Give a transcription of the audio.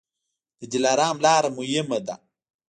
د دلارام لاره مهمه ده